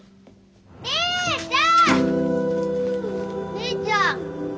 兄ちゃん。